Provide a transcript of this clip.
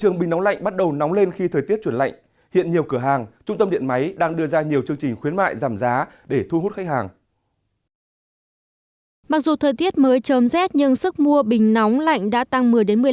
mặc dù thời tiết mới trơm rét nhưng sức mua bình nóng lạnh đã tăng một mươi một mươi năm